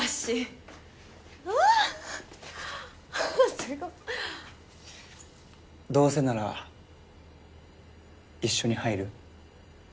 すごっどうせなら一緒に入る？